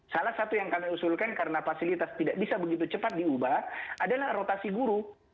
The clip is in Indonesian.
salah satu yang kami usulkan karena fasilitas tidak bisa begitu cepat diubah adalah rotasi guru